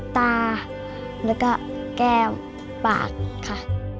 ตาแล้วก็แก้วปากค่ะ